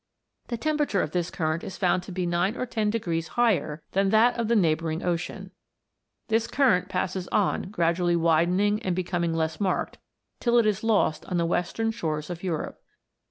The temperature of this current is found to be nine or ten degrees higher than that of the neighbouring * Professor Daniell. WATER BEWITCHED. 165 ocean. This current passes on, gradually widening and becoming less marked, till it is lost on the western shores of Europe.